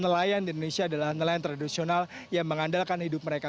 nelayan di indonesia adalah nelayan tradisional yang mengandalkan hidup mereka